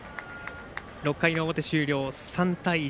６回の表終了、３対１。